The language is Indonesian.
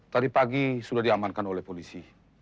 tadi pagi sudah diamankan oleh polisi